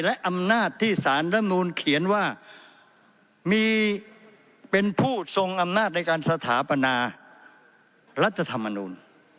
และอำนาจที่สารรำนูลเขียนว่ามีเป็นผู้ทรงอำนาจในการสถาปนารัฐธรรมนูล